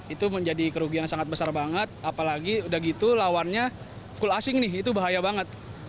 itu menjadi kerugian sangat besar banget apalagi udah gitu lawannya full asing nih itu bahaya banget